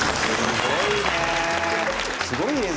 すごいね。